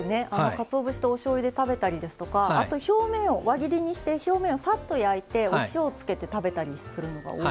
かつお節とおしょうゆで食べたりですとかあと表面を輪切りにして表面をさっと焼いてお塩をつけて食べたりするのが多いですね。